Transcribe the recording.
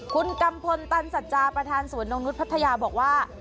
คุณกัมพลตันสัจจาประธานสวนนกนุษย์พัทยาบอกว่า